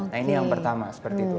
nah ini yang pertama seperti itu